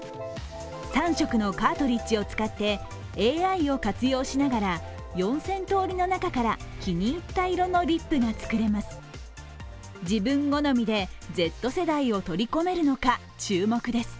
３色のカートリッジを使ってＡＩを活用しながら４０００通りの中から気に入った色のリップが作れます。